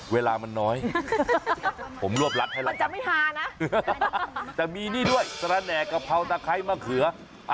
เวลามันน้อยผมรวบรัดให้รักจะมีนี่ด้วยสระแหน่กะเพราตะไคร้มะเขือ